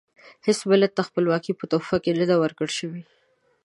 هیڅ ملت ته خپلواکي په تحفه کې نه ده ورکړل شوې.